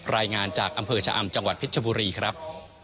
รายงานจากอำเภอชะอำจังหวัดเพชรชบุรีครับ